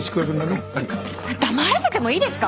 黙らせてもいいですか？